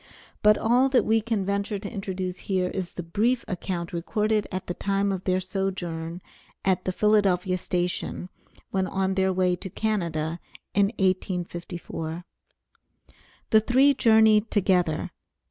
But all that we can venture to introduce here is the brief account recorded at the time of their sojourn at the Philadelphia station when on their way to Canada in 1854. The three journeyed together.